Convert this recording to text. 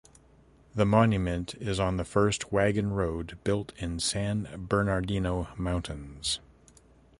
The Monument is on the first wagon road built in San Bernardino Mountains.